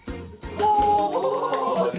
お！